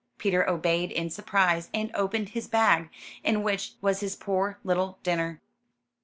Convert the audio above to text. '* Peter obeyed in surprise, and opened his bag, in which was his poor little dinner.